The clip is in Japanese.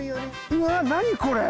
うわ何これ！